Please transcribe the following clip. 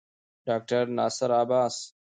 ډاکټر ناصر عباس